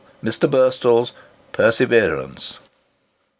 Mr. Burstall's "Perseverance."